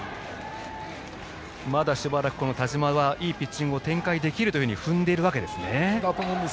まだしばらく田嶋はいいピッチングを展開できるというふうに踏んでいるわけですね。